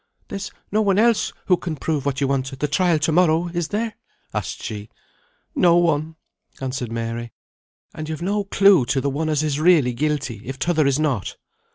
"There's no one else who can prove what you want at the trial to morrow, is there?" asked she. "No one!" answered Mary. "And you've no clue to the one as is really guilty, if t'other is not?"